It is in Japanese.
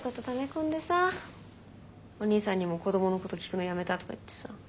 ため込んでさお兄さんにも子どものこと聞くのやめたとか言ってさ。